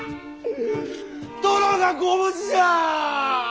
殿がご無事じゃあ！